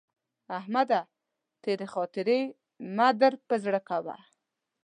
احمده! تېرې خاطرې مه در پر زړه کوه.